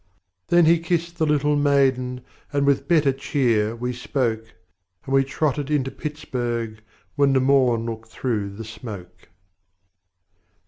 Then he kissed the little maiden, And with better cheer we spoke, And we trotted into Pittsburg, When the morn looked through the smoke.